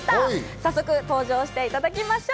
早速登場していただきましょう。